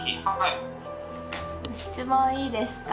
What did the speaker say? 質問いいですか？